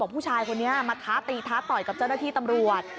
ผู้ชายคนนี้มาท้าตีท้าต่อยกับเจ้าหน้าที่ตำรวจ